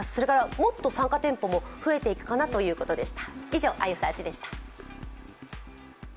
もっと参加店舗も増えていくかなということでした。